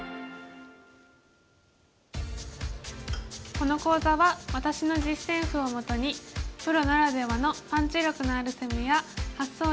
この講座は私の実戦譜をもとにプロならではのパンチ力のある攻めや発想力を学んで頂きます。